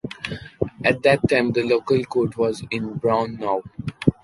At that time, the local court was in Braunau.